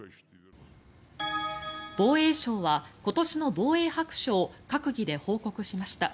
防衛省は今年の防衛白書を閣議で報告しました。